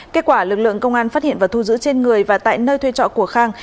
kết quả lực lượng công an phát hiện và thu giữ trên người và tại nơi thuê trọ của khang